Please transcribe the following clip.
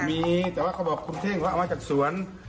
มีแต่ว่าเค้าบอกเฉดงี่ค่ะเอามาจากสวน